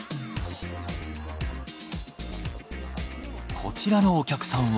こちらのお客さんは。